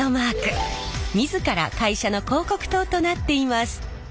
自ら会社の広告塔となっています。